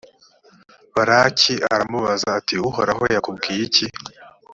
balaki aramubaza ati uhoraho yakubwiye iki?